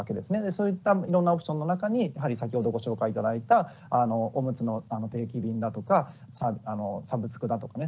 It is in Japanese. そういったいろんなオプションの中にやはり先ほどご紹介頂いたおむつの定期便だとかサブスクだとかね